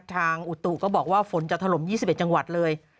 อุตุก็บอกว่าฝนจะถล่ม๒๑จังหวัดเลย